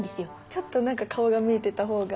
ちょっとなんか顔が見えてた方が。